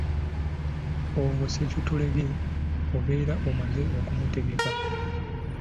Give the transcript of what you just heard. Olwo ssekitulege obeera omaze okumutegeka.